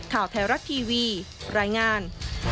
ข่าวไทยรัฐทีวีรายงาน